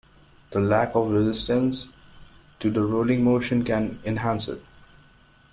The lack of resistance to the rolling motion can enhance it.